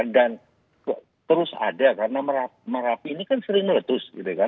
dan terus ada karena marapi ini kan sering meletus